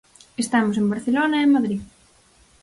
Estamos en Barcelona e en Madrid.